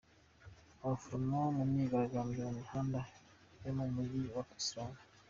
Abaforomo mu myigaragambyo mu mihanda yo mu mugi wa Kisumu.